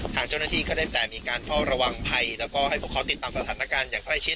ทางเจ้าหน้าที่ก็ได้แต่มีการเฝ้าระวังภัยแล้วก็ให้พวกเขาติดตามสถานการณ์อย่างใกล้ชิด